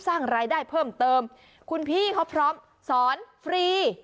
สร้างรายได้เพิ่มเติมคุณพี่เขาพร้อมสอนฟรี